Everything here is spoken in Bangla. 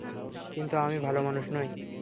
কিন্তু আমি ভালো মানুষ নই!